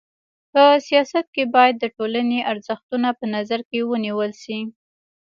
په سیاست کي بايد د ټولني ارزښتونه په نظر کي ونیول سي.